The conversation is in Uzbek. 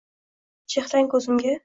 Chehrang ko’zimga.